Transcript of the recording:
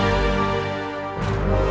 karena kedua duanya putriku